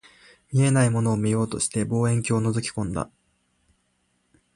見えないものを見ようとして、望遠鏡を覗き込んだ